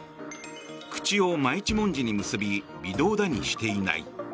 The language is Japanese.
口を真一文字に結び微動だにしていない。